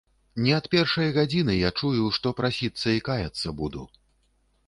Не ад першай гадзіны я чую, што прасіцца і каяцца буду.